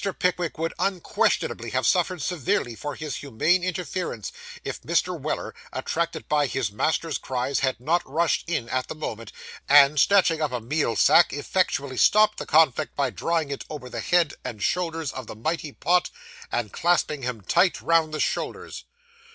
Pickwick would unquestionably have suffered severely for his humane interference, if Mr. Weller, attracted by his master's cries, had not rushed in at the moment, and, snatching up a meal sack, effectually stopped the conflict by drawing it over the head and shoulders of the mighty Pott, and clasping him tight round the shoulders.